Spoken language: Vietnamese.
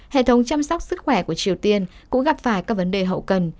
hệ thống chăm sóc sức khỏe của triều tiên cũng gặp phải các vấn đề hậu cần